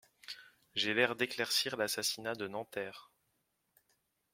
J’ai l’air d’éclaircir l’assassinat de Nanterre.